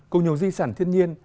cùng nhiều di sản thiên nhiên